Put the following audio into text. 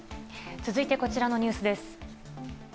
続いてこちらのニュースです。